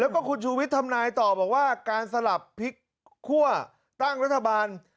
แล้วก็คุณชูวิทย์ทำนายต่อบอกว่าการสลับพลิกคั่วตั้งรัฐบาล